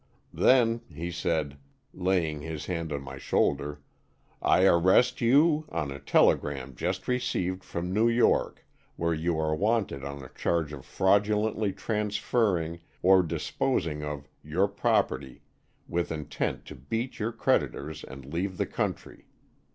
'Then,' he said, laying his hand on my shoulder, 'I arrest you on a telegram just received from New York where you are wanted on a charge of fraudulently transferring or disposing of your property with intent to beat your creditors and leave the country.